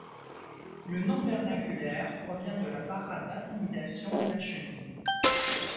Le nom vernaculaire provient de la parade d'intimidation de la chenille.